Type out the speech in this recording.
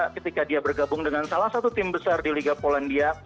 ketika dia bergabung dengan salah satu tim besar di liga polandia